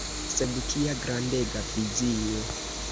Sed kia grandega vizio!